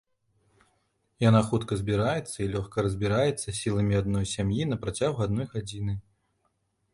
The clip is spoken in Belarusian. Яна хутка збіраецца і лёгка разбіраецца сіламі адной сям'і на працягу адной гадзіны.